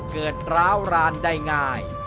เกิดร้าวรานได้ง่าย